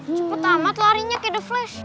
cepet amat larinya kayak the flash